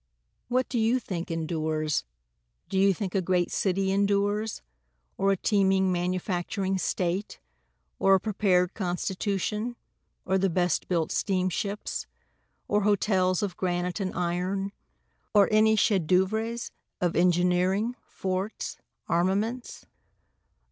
What do you think endures? Do you think a great city endures? Or a teeming manufacturing state? or a prepared constitution? or the best built steamships? Or hotels of granite and iron? or any chef d'oeuvres of engineering, forts, armaments?